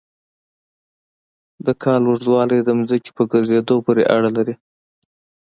د کال اوږدوالی د ځمکې په ګرځېدو پورې اړه لري.